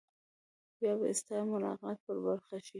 بیا به ستا ملاقات په برخه شي.